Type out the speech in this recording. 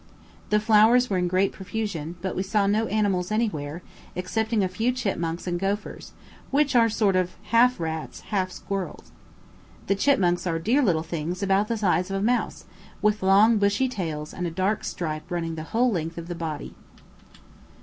The flowers were in great profusion; but we saw no animals anywhere, excepting a few chipmunks and gophirs, which are sort of half rats, half squirrels. The chipmunks are dear little things about the size of a mouse, with long bushy tails and a dark stripe running the whole length of the body.